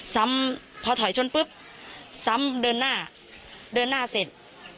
ซ้ำพอถอยชนปุ๊บซ้ำเดินหน้าเดินหน้าเสร็จ